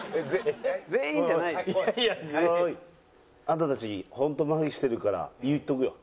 あんたたち本当まひしてるから言っとくよ。